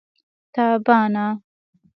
تابانه